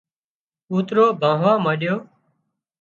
ڪوترو ڀانهوا مانڏيو